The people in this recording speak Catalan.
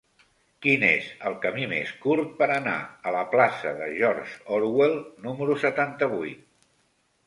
Quin és el camí més curt per anar a la plaça de George Orwell número setanta-vuit?